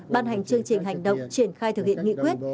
ban hành chương trình hành động triển khai thực hiện nghị quyết